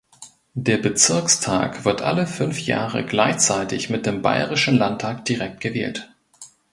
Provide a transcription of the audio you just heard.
Der Bezirkstag wird alle fünf Jahre gleichzeitig mit dem Bayerischen Landtag direkt gewählt.